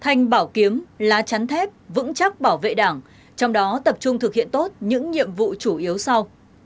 thanh bảo kiếm lá chắn thép vững chắc bảo vệ đảng trong đó tập trung thực hiện tốt những nhiệm vụ chủ yếu sau